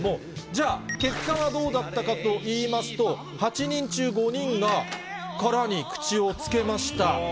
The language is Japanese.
じゃあ、結果がどうだったかといいますと、８人中５人が、殻に口をつけました。